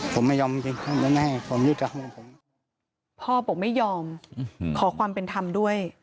พ่อผมไม่ยอมขอความเป็นธรรมด้วย